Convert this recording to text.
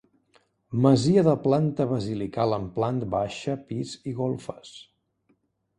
Masia de planta basilical amb plant baixa, pis i golfes.